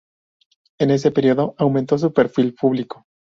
En ese periodo aumentó su perfil público.